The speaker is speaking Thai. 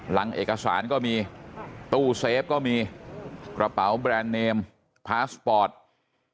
หลังเอกสารก็มีตู้เซฟก็มีกระเป๋าแบรนด์เนมพาสปอร์ต